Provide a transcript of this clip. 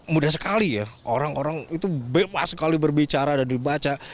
mudah sekali ya orang orang itu bebas sekali berbicara dan dibaca